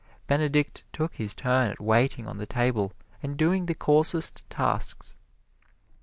Benedict took his turn at waiting on the table and doing the coarsest tasks.